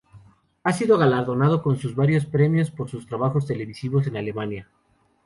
Ha sido galardonado con varios premios por sus trabajos televisivos en Alemania.